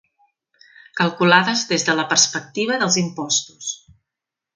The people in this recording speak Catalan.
Calculades des de la perspectiva dels impostos.